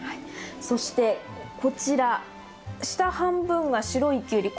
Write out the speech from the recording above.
そしてこちら下半分が白いキュウリ。